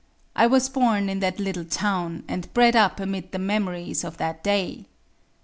I was born in that little town, and bred up amid the memories of that day.